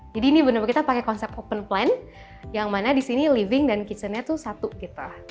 jadi ini benar benar kita pakai konsep open plan yang mana di sini living dan kitchennya tuh satu gitu